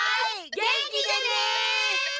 元気でね！